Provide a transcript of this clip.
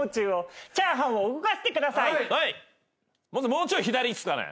もうちょい左っすかね。